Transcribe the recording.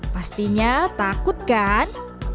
pastinya takut kan